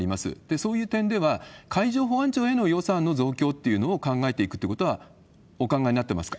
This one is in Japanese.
そういう点では、海上保安庁への予算の増強というのも考えていくということはお考えになっていますか？